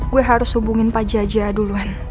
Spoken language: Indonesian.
gue harus hubungin pak jaja duluan